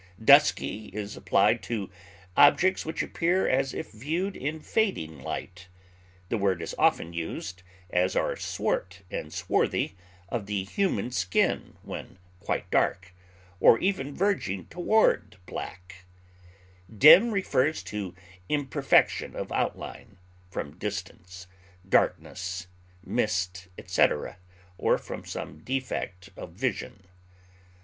Dusky is applied to objects which appear as if viewed in fading light; the word is often used, as are swart and swarthy, of the human skin when quite dark, or even verging toward black. Dim refers to imperfection of outline, from distance, darkness, mist, etc., or from some defect of vision.